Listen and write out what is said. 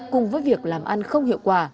cùng với việc làm ăn không hiệu quả